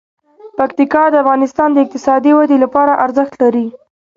پکتیکا د افغانستان د اقتصادي ودې لپاره ارزښت لري.